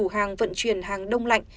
hàng vận chuyển hàng đông lạnh